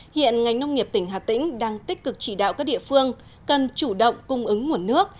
hiện ngành nông nghiệp tỉnh hà tĩnh đang tích cực chỉ đạo các địa phương cần chủ động cung ứng nguồn nước